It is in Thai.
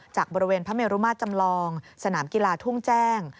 จากบริเวณพระเมรุมาตรจำลองสนามกีฬาทุ่งแจ้ง